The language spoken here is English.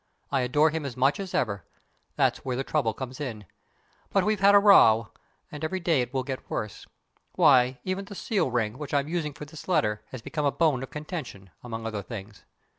I adore him as much as ever. That's where the trouble comes in! But we've had a row, and every day it will get worse. Why, even the seal ring, which I'm using for this letter, has become a bone of contention among other things.